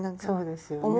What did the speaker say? そうですよね。